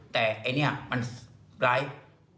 แต่ไอ้เนี่ยมันไร้